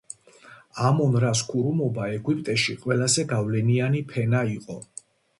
ამონ-რას ქურუმობა ეგვიპტეში ყველაზე გავლენიანი ფენა იყო.